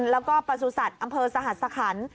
แล้วก็ประสูจน์อำเภอสหรัฐสถาน